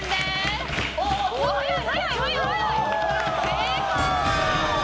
成功！